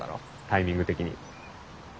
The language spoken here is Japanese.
タイミング的に。